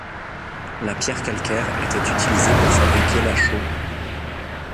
La pierre calcaire était utilisée pour fabriquer la chaux.